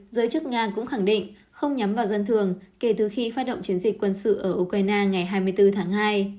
giới chức nga cũng khẳng định không nhắm vào dân thường kể từ khi phát động chiến dịch quân sự ở ukraine ngày hai mươi bốn tháng hai